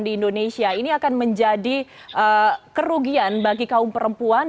di indonesia ini akan menjadi kerugian bagi kaum perempuan